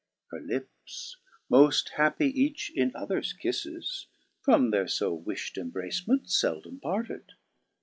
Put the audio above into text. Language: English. Her lips, moft happy each in other's kifles. From their fo wi(ht embracements feldome parted.